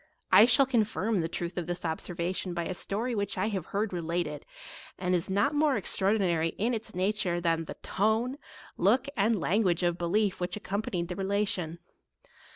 I shall con firm the truth of this observation by a story which I have heard related, and is not more extraordinary in its nature than the tone, look, and language of belief which accompa nied the relation.